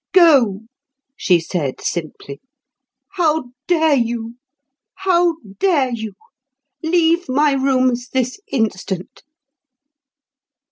"Go," she said simply. "How dare you? how dare you? Leave my rooms this instant."